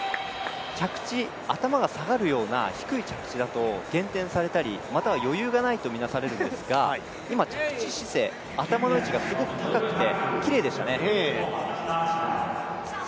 着地、頭が下がるような低い位置だと減点されたりまたは余裕がないと見なされるんですが今、着地姿勢、頭の位置がすごく高くてきれいでしたね。